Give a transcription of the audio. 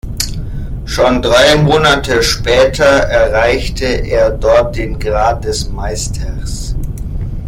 Schon drei Monate später erreichte er dort den Grad des "Meisters".